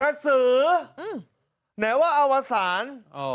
กระสือไหนว่าอวสาร